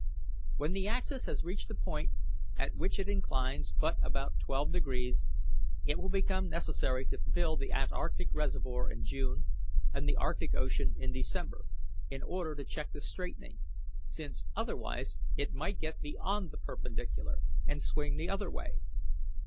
"When the axis has reached a point at which it inclines but about twelve degrees, it will become necessary to fill the antarctic reservoir in June and the Arctic Ocean in December, in order to check the straightening, since otherwise it might get beyond the perpendicular and swing the other way.